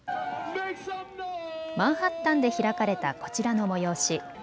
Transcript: マンハッタンで開かれたこちらの催し。